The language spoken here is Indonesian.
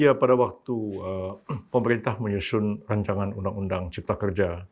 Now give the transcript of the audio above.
iya pada waktu pemerintah menyusun rancangan undang undang cipta kerja